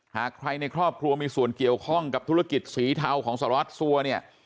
หากใครในครอบครัวมีส่วนเกี่ยวข้องกับธุรกิจสีเทาของสารวัตรสัวเนี่ย